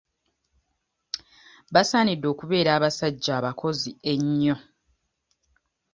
Basaanidde okubeera abasajja abakozi ennyo.